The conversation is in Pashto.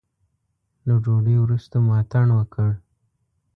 له ډوډۍ وروسته مو اتڼ وکړ.